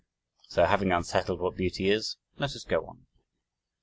So having unsettled what beauty is, let us go on.